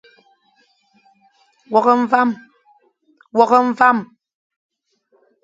Wôkh mvam.